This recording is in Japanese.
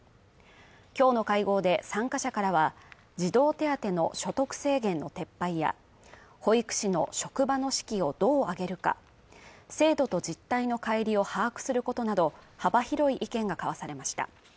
きょうの会合で参加者からは児童手当の所得制限の撤廃や保育士の職場の士気をどう上げるか制度と実態の乖離を把握することなど幅広い意見が交わされました